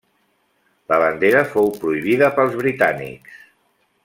La bandera fou prohibida pels britànics.